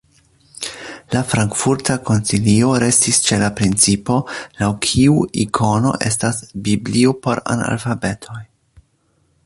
La Frankfurta koncilio restis ĉe la principo, laŭ kiu ikono estas "biblio por analfabetoj".